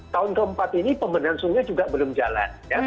tahun ke empat ini pembinaan sungai juga belum jalan